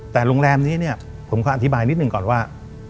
แต่โรงแรมนี้เนี่ยผมก็อธิบายนิดหนึ่งก่อนว่า